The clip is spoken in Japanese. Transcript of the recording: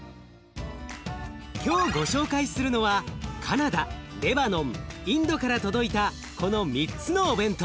今日ご紹介するのはカナダレバノンインドから届いたこの３つのお弁当。